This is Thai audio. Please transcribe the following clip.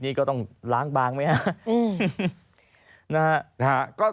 นี่ก็ต้องล้างบางไหมครับ